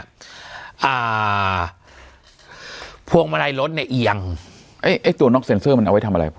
อ่าพวงมาลัยรถเนี่ยเอียงไอ้ไอ้ตัวน็อกเซ็นเซอร์มันเอาไว้ทำอะไร